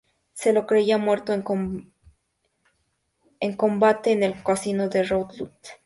Se lo creía muerto en combate en el casino de Roulette.